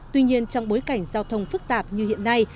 tuy nhiên trong bối cảnh giao thông phức tạp như hiện nay